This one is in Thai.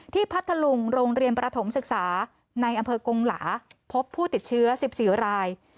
พัทธลุงโรงเรียนประถมศึกษาในอำเภอกงหลาพบผู้ติดเชื้อ๑๔ราย